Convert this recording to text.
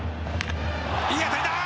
いい当たりだ！